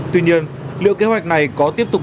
tuy nhiên liệu kế hoạch này có tiếp tục